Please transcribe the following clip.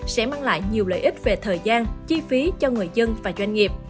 sẽ mang lại nhiều lợi ích về thời gian chi phí cho người dân và doanh nghiệp